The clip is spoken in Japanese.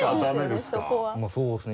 そうですね